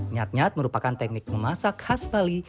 nyat nyat merupakan teknik memasak khas bali